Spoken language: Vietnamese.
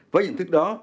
với nhận thức đó